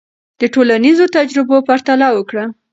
د ټولنیزو تجربو پرتله وکړه.